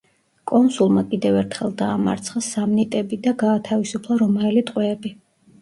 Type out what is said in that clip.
კონსულმა კიდევ ერთხელ დაამარცხა სამნიტები და გაათავისუფლა რომაელი ტყვეები.